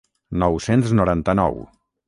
Nou-cents noranta-nou.